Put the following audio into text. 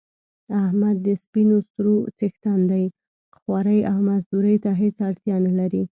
احمد د سپینو سرو څښتن دی خوارۍ او مزدورۍ ته هېڅ اړتیا نه لري.